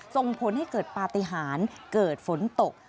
ส่งผลให้เกิดปฏิหารเกิดฝนตก